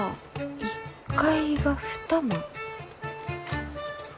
１階は２間？